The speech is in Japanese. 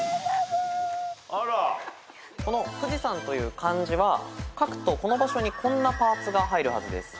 富士山という漢字は書くとこの場所にこんなパーツが入るはずです。